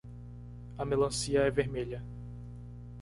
A melancia é vermelha.